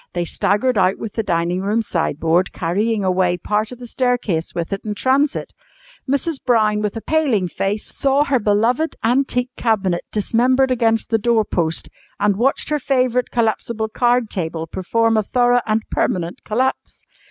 They staggered out with the dining room sideboard, carrying away part of the staircase with it in transit. Mrs. Brown, with a paling face, saw her beloved antique cabinet dismembered against the doorpost, and watched her favourite collapsible card table perform a thorough and permanent collapse.